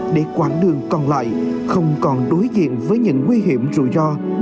để quảng đường còn lại không còn đối diện với những nguy hiểm rủi ro